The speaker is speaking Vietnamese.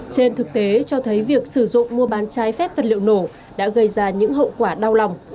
trên thực tế cho thấy việc sử dụng mua bán trái phép vật liệu nổ đã gây ra những hậu quả đau lòng